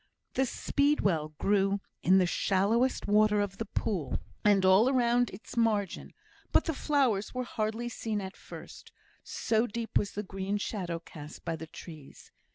The speed well grew in the shallowest water of the pool, and all around its margin, but the flowers were hardly seen at first, so deep was the green shadow cast by the trees.